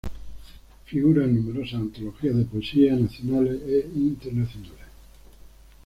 Figura en numerosas antologías de poesía nacionales e internacionales.